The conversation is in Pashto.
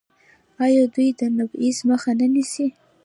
آیا دوی د تبعیض مخه نه نیسي؟